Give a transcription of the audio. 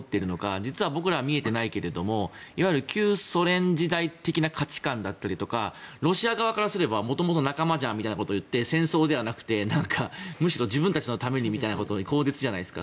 実は僕らは見えていないけれどもいわゆる旧ソ連時代的な価値観だったりとかロシア側からすれば元々仲間じゃんみたいなことを言って戦争ではなくてむしろ自分たちのためにみたいな口実じゃないですか。